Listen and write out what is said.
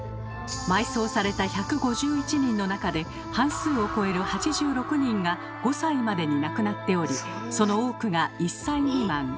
埋葬された１５１人の中で半数を超える８６人が５歳までに亡くなっておりその多くが１歳未満。